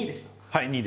はい。